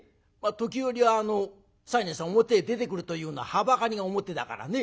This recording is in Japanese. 時折西念さん表へ出てくるというのははばかりが表だからね。